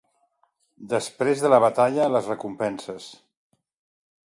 Després de la batalla, les recompenses.